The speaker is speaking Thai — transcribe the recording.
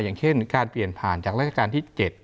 อย่างเช่นการเปลี่ยนผ่านจากราชการที่๗